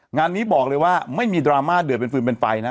งานนี้บอกเลยว่าไม่มีดราม่าเดือดเป็นฟืนเป็นไฟนะ